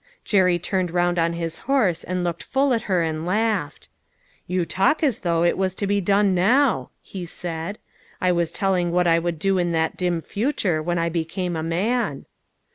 Jerry turned round on his horse and looked full at her and laughed. " You talk as though it was to be done now," he said. " I was telling what I would do in that dim future, when I be come a man."